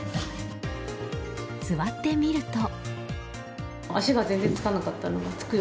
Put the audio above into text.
座ってみると。